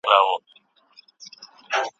له اوربشو چا غنم نه دي رېبلي